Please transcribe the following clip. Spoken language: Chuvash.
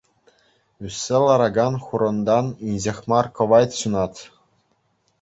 Ӳссе ларакан хурӑнтан инҫех мар кӑвайт ҫунать.